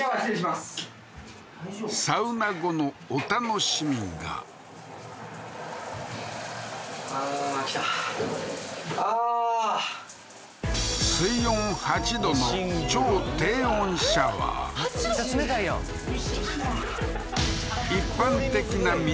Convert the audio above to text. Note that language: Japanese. サウナ後のお楽しみが水温８度の超低温シャワー８度？